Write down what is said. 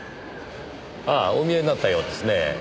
ああお見えになったようですねぇ。